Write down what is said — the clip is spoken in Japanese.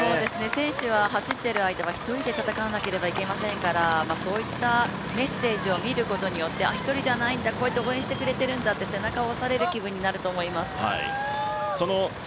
選手は走っている間は一人で戦わなければいけませんからそういったメッセージを見ることによって一人じゃないんだ、こうやって応援してくれてるんだと背中を押される気分になると思います。